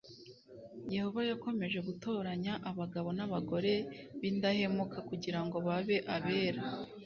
Yehova yakomeje gutoranya abagabo n’abagore b’indahemuka kugira ngo babe abera